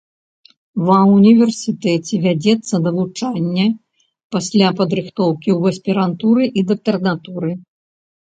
Ва ўніверсітэце вядзецца навучанне пасля падрыхтоўкі ў аспірантуры і дактарантуры.